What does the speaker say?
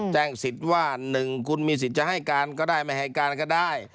สิทธิ์ว่า๑คุณมีสิทธิ์จะให้การก็ได้ไม่ให้การก็ได้